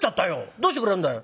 どうしてくれるんだよ？」。